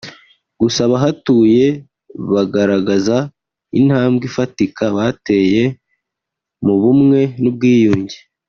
Gusa abahatuye bagaragaza intambwe ifatika bateye mu bumwe n’ubwiyunge